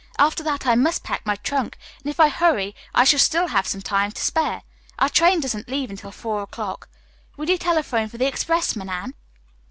After that I must pack my trunk, and if I hurry I shall still have some time to spare. Our train doesn't leave until four o'clock. Will you telephone for the expressman, Anne?"